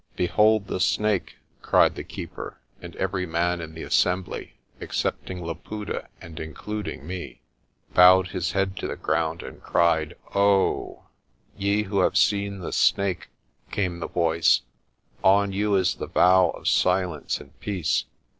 "Behold the Snake!" cried the Keeper, and every man in the assembly, excepting Laputa and including me, bowed his head to the ground and cried "Ow! r "Ye who have seen the Snake," came the voice, "on you is the vow of silence and peace.